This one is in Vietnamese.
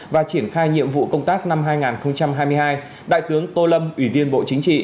và triển khai nhiệm vụ công tác năm hai nghìn hai mươi hai đại tướng tô lâm ủy viên bộ chính trị